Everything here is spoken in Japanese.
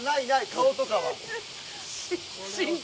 顔とかは。